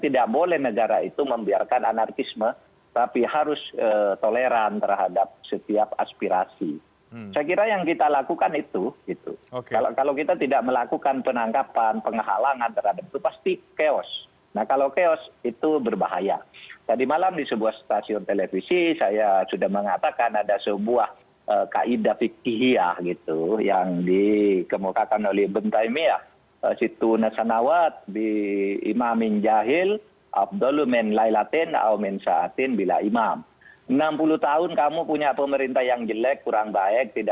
dengan alatnya ada videonya